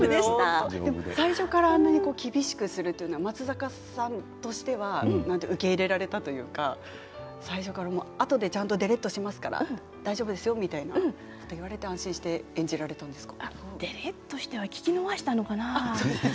最初からあんなに厳しくするというのが松坂さんとしては受け入れられたというかあとでちゃんとデレっとしますから大丈夫ですよみたいなこと言われて安心して演じられたんですか？